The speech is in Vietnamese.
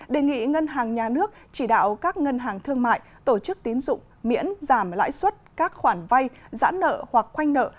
đề nghị ngân hàng nhà nước chỉ đạo các ngân hàng thương mại tổ chức tín dụng miễn giảm lãi suất các khoản vay giãn nợ hoặc khoanh nợ